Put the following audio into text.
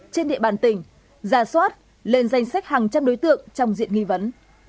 trên địa bàn tỉnh giả soát lên danh sách hàng trăm đối tượng trong diện nghi vấn